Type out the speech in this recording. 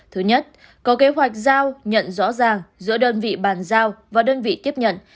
thứ nhất có kế hoạch giao nhận rõ ràng giữa đơn vị bàn giao và đơn vị tiếp nhận